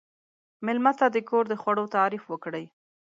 مېلمه ته د کور د خوړو تعریف وکړئ.